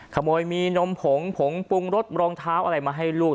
ขโมยมีนมผงผงปรุงรสรองเท้าอะไรมาให้ลูก